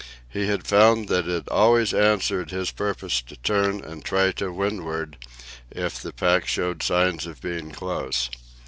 He had found that it always answered his purpose to turn and try to windward, if the pack showed signs of being close.